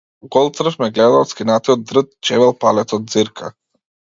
Гол црв ме гледа од скинатиот дрт чевел палецот ѕирка.